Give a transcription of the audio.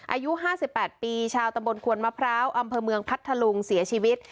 อายุ๕๘ปีชาวตำบลขวนมะพร้าวอำเภอเมืองพัทธลุงเสียชีวิต